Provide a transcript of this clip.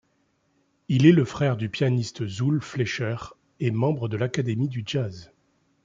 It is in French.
Il est le frère du pianiste Zool Fleischer, et membre de l'Académie du Jazz.